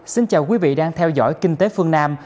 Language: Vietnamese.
xin chào quý vị đang theo dõi kinh tế phương nam